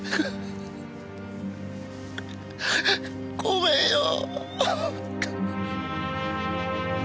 ごめんよ。